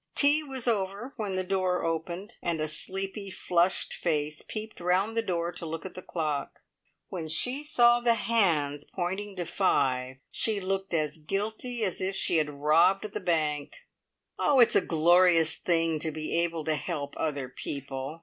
Tea was over when the door opened, and a sleepy, flushed face peeped round the door to look at the clock. When she saw the hands pointing to five, she looked as guilty as if she had robbed the bank. Oh, it's a glorious thing to be able to help other people!